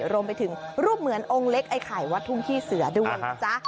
รวมไปถึงรูปเหมือนองค์เล็กไอ้ไข่วัดทุ่งขี้เสือด้วยนะจ๊ะ